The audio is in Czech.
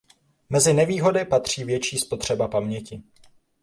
Mezi nevýhody patří větší spotřeba paměti.